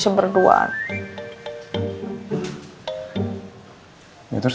ya udah deh